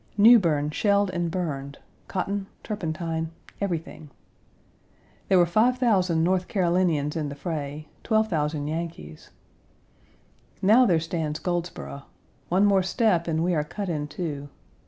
Newbern shelled and burned , cotton, turpentine everything There were 5,000 North Carolinians in the fray, 12,000 Yankees. Now there stands Goldsboro. One more step and we are cut in two.